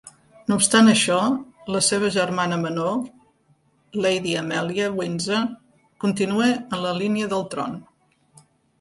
No obstant això, la seva germana menor, Lady Amelia Windsor, continua en la línia del tron.